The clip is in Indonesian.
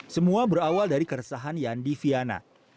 semua berawal dari keresahan yandi viana